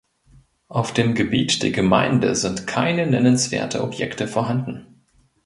Auf dem Gebiet der Gemeinde sind keine nennenswerte Objekte vorhanden.